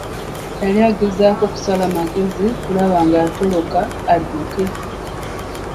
Yali agezaako kusala magezi kulaba nga atoloka adduke.